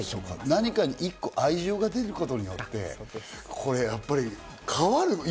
何か一個、愛情が出ることによって変わる。